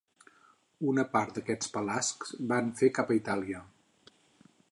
Una part d'aquests pelasgs van fer cap a Itàlia.